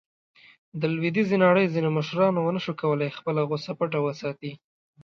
د لویدیځې نړۍ ځینو مشرانو ونه شو کولاې خپله غوصه پټه وساتي.